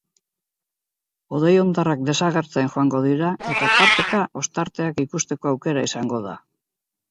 Hodei hondarrak desagertzen joango dira eta tarteka ostarteak ikusteko aukera izango da.